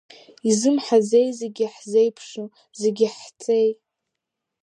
Изымҳаӡеи зегь иаҳзеиԥшу, зегьы ҳҵеи!